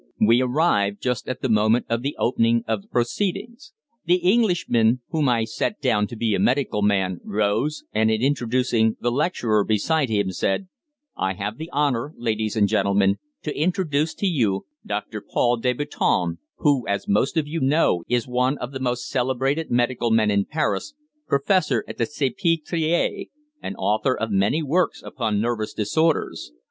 We arrived just at the moment of the opening of the proceedings. The Englishman, whom I set down to be a medical man, rose, and in introducing the lecturer beside him, said: "I have the honour, ladies and gentlemen, to introduce to you Doctor Paul Deboutin who, as most of you know, is one of the most celebrated medical men in Paris, professor at the Salpêtrière, and author of many works upon nervous disorders.